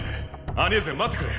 アニェーゼ待ってくれ。